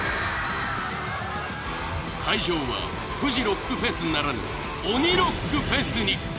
会場は「富士ロックフェス」ならぬ「鬼ロックフェス」に！